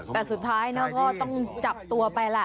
แต่สุดท้ายนะก็ต้องจับตัวไปล่ะ